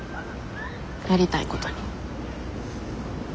やりたいことに。